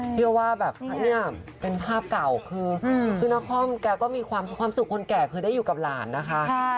เชื่อว่าแบบเนี่ยเป็นภาพเก่าคือนครแกก็มีความสุขคนแก่คือได้อยู่กับหลานนะคะ